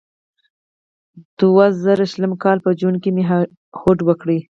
د دوه زره شلم کال په جون کې مې هوډ وکړ.